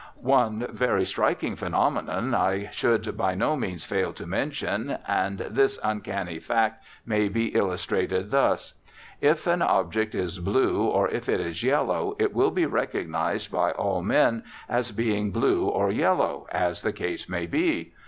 One very striking phenomenon I should by no means fail to mention, and this uncanny fact may be illustrated thus: If an object is blue or if it is yellow it will be recognised by all men as being blue or yellow, as the case may be.